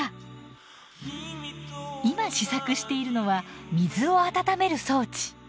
今試作しているのは水を温める装置。